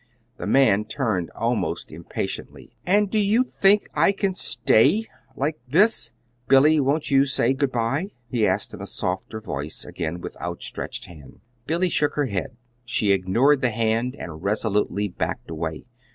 The man turned almost impatiently. "And do you think I can stay like this? Billy, won't you say good by?" he asked in a softer voice, again with outstretched hand. Billy shook her head. She ignored the hand, and resolutely backed away.